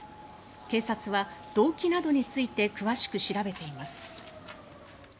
警察は動機などについて詳しく調べています。